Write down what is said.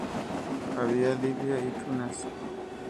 Habita en Libia y Túnez.